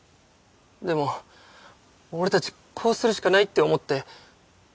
でも俺たちこうするしかないって思って。